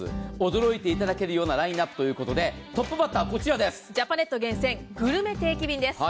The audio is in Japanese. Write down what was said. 驚いていただけるようなラインナップということで、ジャパネット厳選、グルメ定期便です。